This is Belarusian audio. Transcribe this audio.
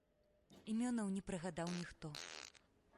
Імёнаў не прыгадаў ніхто.